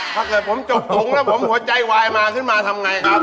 ถ้าเกิดผมจบตรงแล้วผมหัวใจไวมาขึ้นมาทำไงครับ